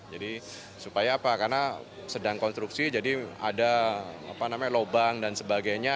jadi supaya apa karena sedang konstruksi jadi ada lubang dan sebagainya